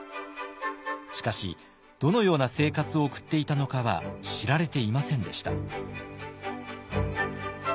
しかしどのような生活を送っていたのかは知られていませんでした。